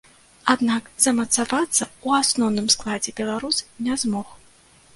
Аднак замацавацца ў асноўным складзе беларус не змог.